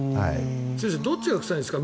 どっちが臭いんですか？